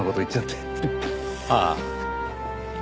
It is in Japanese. ああ。